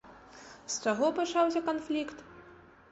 З чаго пачаўся канфлікт?